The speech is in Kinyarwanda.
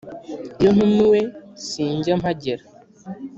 iyo ntumiwe sinjya mpagera